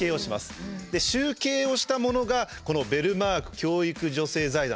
集計をしたものがこの「ベルマーク教育助成財団」